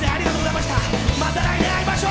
また来年会いましょう。